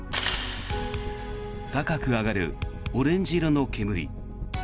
高く上がるオレンジ色の煙。